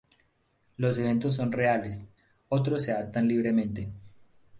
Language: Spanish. Los eventos son reales, otros se adaptan libremente.